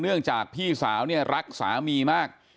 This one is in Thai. เนื่องจากพี่สาวเนี่ยรักสามีมาก